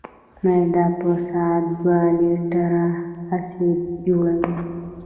معده په ساعت دوه لیټره اسید جوړوي.